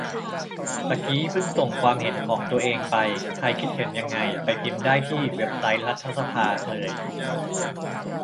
ตะกี้เพิ่งส่งความเห็นของตัวเองไป ใครคิดเห็นยังไง ไปพิมพ์ได้ที่เว็บไซต์รัฐสภาเลย